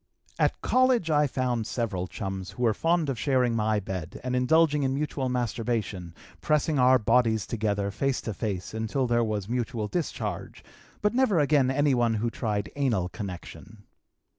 "At college I found several chums who were fond of sharing my bed and indulging in mutual masturbation, pressing our bodies together face to face until there was mutual discharge, but never again anyone who tried anal connection.